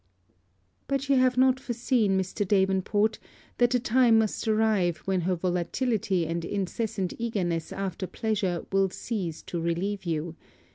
'But you have not foreseen, Mr. Davenport, that the time must arrive when her volatility and incessant eagerness after pleasure will cease to relieve you.